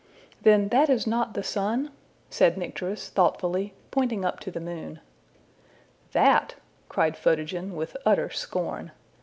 '' ``Then that is not the sun?'' said Nycteris, thoughtfully, pointing up to the moon. ``That!'' cried Photogen, with utter scorn.